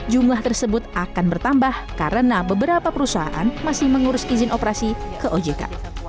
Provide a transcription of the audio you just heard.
jumlah tersebut akan bertambah karena beberapa perusahaan masih mengurus izin operasi ke ojk